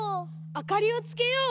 あかりをつけよう。